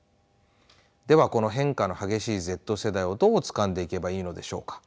ではこの変化の激しいＺ世代をどうつかんでいけばいいのでしょうか。